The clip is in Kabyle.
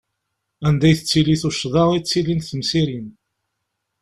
Anda i tettili tuccḍa i ttilint temsirin!